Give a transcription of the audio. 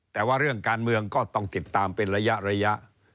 แต่ว่าเรื่องการเมืองก็ต้องติดตามเป็นระยะ